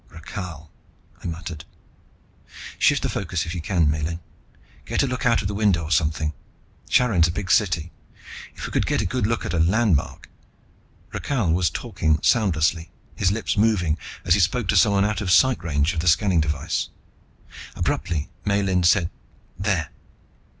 "Rakhal," I muttered. "Shift the focus if you can, Miellyn, get a look out the window or something. Charin's a big city. If we could get a look at a landmark " Rakhal was talking soundlessly, his lips moving as he spoke to someone out of sight range of the scanning device. Abruptly Miellyn said, "There."